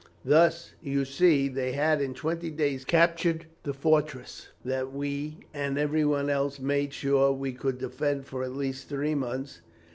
Thus, you see, they had in twenty days captured the fortress that we and everyone else made sure we could defend for at least three months.